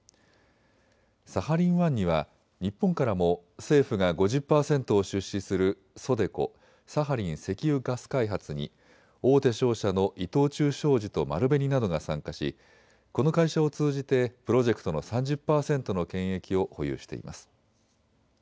サハリン１には日本からも政府が５０％を出資するＳＯＤＥＣＯ・サハリン石油ガス開発に大手商社の伊藤忠商事と丸紅などが参加しこの会社を通じてプロジェクトの３０％の権益を保有しています。